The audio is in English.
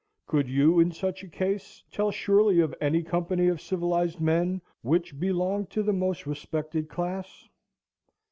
Could you, in such a case, tell surely of any company of civilized men, which belonged to the most respected class?